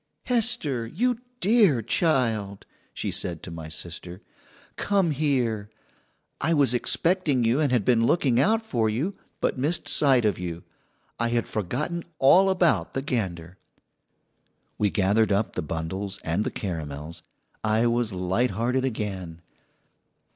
"Hester, you dear child," she said to my sister, "come here. I was expecting you, and had been looking out for you, but missed sight of you. I had forgotten all about the gander." We gathered up the bundles and the caramels. I was light hearted again.